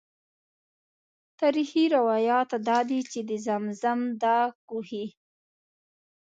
تاریخي روایات دادي چې د زمزم دا کوهی.